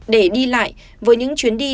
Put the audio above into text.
để đi lại với những chuyến đi